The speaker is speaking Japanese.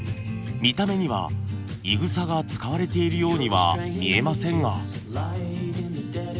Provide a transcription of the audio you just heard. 見た目にはいぐさが使われているようには見えませんが。